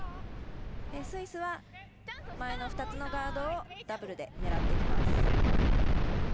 スイスは前の２つのガードをダブルで狙ってきます。